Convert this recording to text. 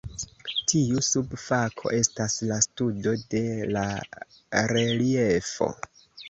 Tiu subfako estas la studo de la reliefo.